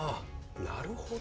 なるほど。